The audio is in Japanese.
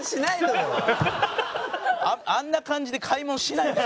あんな感じで買い物しない。